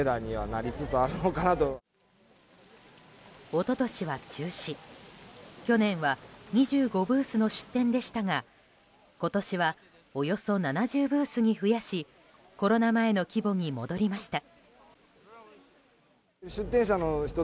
一昨年は中止去年は２５ブースの出店でしたが今年はおよそ７０ブースに増やしコロナ前の規模に戻りました。